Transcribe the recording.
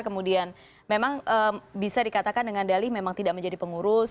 kemudian memang bisa dikatakan dengan dali memang tidak menjadi pengurus